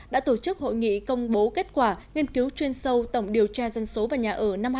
đã tổ chức hội nghị công bố kết quả nghiên cứu chuyên sâu tổng điều tra dân số và nhà ở năm hai nghìn một mươi chín